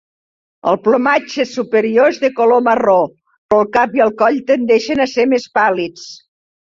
El plomatge superior és de color marró, però el cap i el coll tendeixen a ser més pàl·lids.